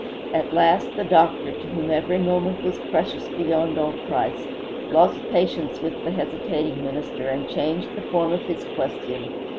At last the doctor, to whom every moment was precious beyond all price, lost patience with the hesitating minister and changed the form of his question.